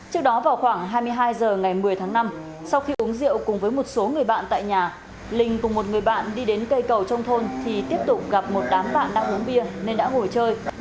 trước đó vào khoảng hai mươi hai h ngày một mươi tháng năm sau khi uống rượu cùng với một số người bạn tại nhà linh cùng một người bạn đi đến cây cầu trong thôn thì tiếp tục gặp một đám bạn đang uống bia nên đã ngồi chơi